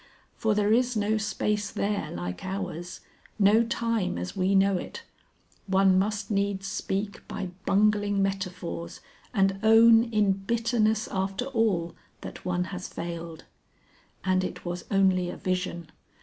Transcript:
For there is no space there like ours, no time as we know it; one must needs speak by bungling metaphors and own in bitterness after all that one has failed. And it was only a vision.